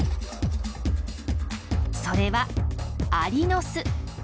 それはアリの巣。